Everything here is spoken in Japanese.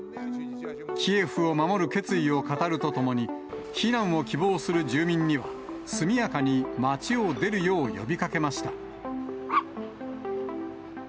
キエフを守る決意を語るとともに、避難を希望する住民には、速やかに町を出るよう呼びかけました。